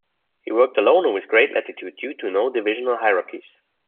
He worked alone and with great latitude due to no divisional hierarchies.